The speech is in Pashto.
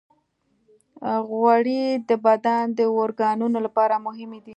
غوړې د بدن د اورګانونو لپاره مهمې دي.